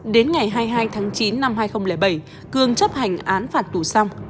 đến ngày hai mươi hai tháng chín năm hai nghìn bảy cương chấp hành án phạt tù xong